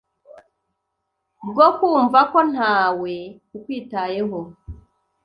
bwo kumva ko ntawe ukwitayeho.